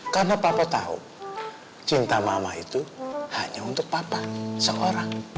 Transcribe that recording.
karena papa tahu cinta mama itu hanya untuk papa seorang